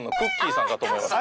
さんかと思いました。